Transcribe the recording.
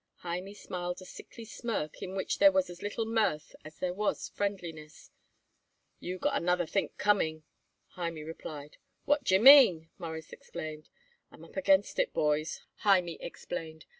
Hymie smiled a sickly smirk in which there was as little mirth as there was friendliness. "You got another think coming," Hymie replied. "What d'ye mean?" Morris exclaimed. "I'm up against it, boys," Hymie explained.